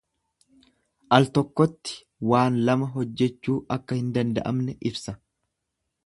Al tokkotti waan lama hojjechuu akka hin danda'amne ibsa.